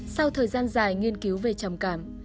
sau thời gian dài nghiên cứu về trầm cảm